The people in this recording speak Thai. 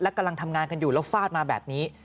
กำลังทำงานกันอยู่แล้วฟาดมาแบบนี้